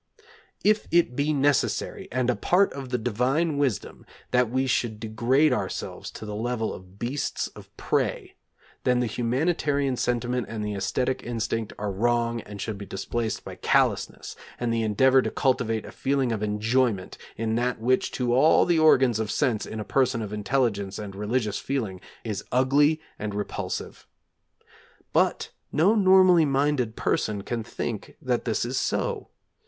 If it be necessary and a part of the Divine Wisdom that we should degrade ourselves to the level of beasts of prey, then the humanitarian sentiment and the æsthetic instinct are wrong and should be displaced by callousness, and the endeavour to cultivate a feeling of enjoyment in that which to all the organs of sense in a person of intelligence and religious feeling is ugly and repulsive. But no normally minded person can think that this is so.